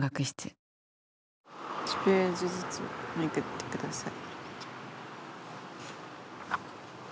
「１ページずつめくってください」。